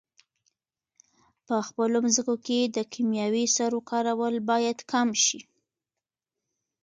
په خپلو مځکو کې د کیمیاوي سرو کارول باید کم شي.